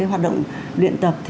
hoạt động luyện tập